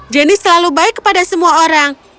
jenny selalu baik kepada semua orang